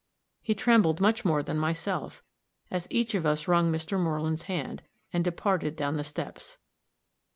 He trembled much more than myself, as each of us wrung Mr. Moreland's hand, and departed down the steps.